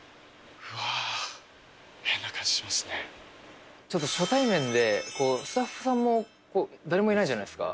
うわちょっと初対面でスタッフさんも誰もいないじゃないですか。